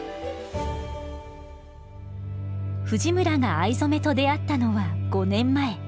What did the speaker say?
藤村が藍染めと出会ったのは５年前。